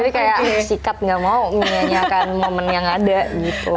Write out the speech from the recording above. jadi kayak sikat gak mau menyanyiakan momen yang ada gitu